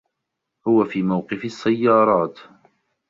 هو في موقف السّيّارات.